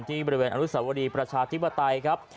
ที่บริเวณอนุสาวดีประชาธิบดัติครับ